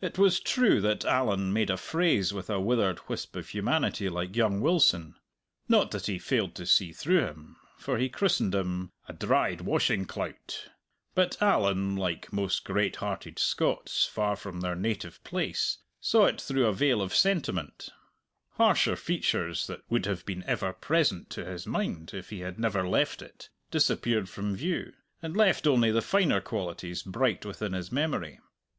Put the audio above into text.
It was true that Allan made a phrase with a withered wisp of humanity like young Wilson. Not that he failed to see through him, for he christened him "a dried washing clout." But Allan, like most great hearted Scots far from their native place, saw it through a veil of sentiment; harsher features that would have been ever present to his mind if he had never left it disappeared from view, and left only the finer qualities bright within his memory.